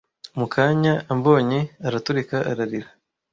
Mu kanya ambonye, araturika ararira.